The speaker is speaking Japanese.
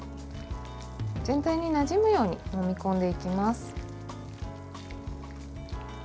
全体になじむようにもみ込んでいきます。